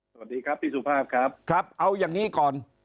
สวัสดีครับพี่สุภาพครับครับเอาอย่างนี้ก่อน